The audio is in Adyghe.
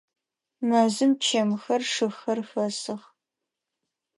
Мэзым чэмхэр, шыхэр хэсых.